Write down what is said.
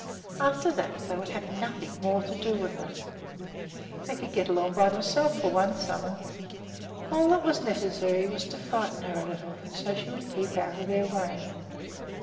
After that they would have nothing more to do with her. They could get along by themselves for one summer. All that was necessary was to frighten her a little, so that she would keep out of their way.